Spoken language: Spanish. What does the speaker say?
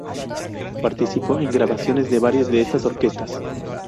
Participó en grabaciones de varias de estas orquestas.